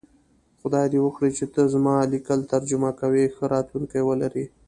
خدای دی وکړی چی ته زما لیکل ترجمه کوی ښه راتلونکی ولری